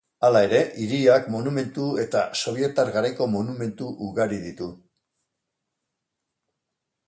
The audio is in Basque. Hala ere, hiriak monumentu eta sobietar garaiko monumentu ugari ditu.